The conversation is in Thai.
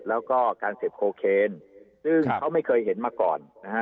แล้วก็การเสพโคเคนซึ่งเขาไม่เคยเห็นมาก่อนนะฮะ